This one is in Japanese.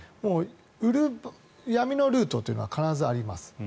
売る闇のルートというのは必ずあります。